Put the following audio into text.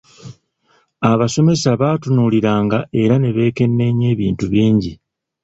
Abasomesa baatunuuliranga era ne beekenneenya ebintu bingi.